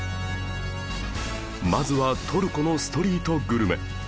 まずはトルコのストリートグルメ